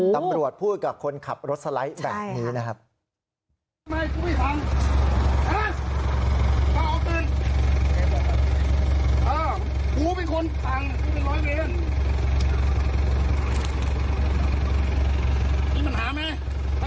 ตำรวจพูดกับคนขับรถสไลด์แบบนี้นะครับ